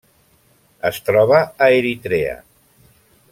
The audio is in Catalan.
Es troba a Eritrea.